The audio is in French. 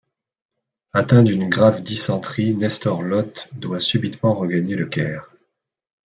Atteint d’une grave dysenterie, Nestor L’Hôte doit subitement regagner Le Caire.